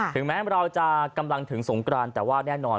ถึงแม้เราจะกำลังถึงสงกรานแต่ว่าแน่นอน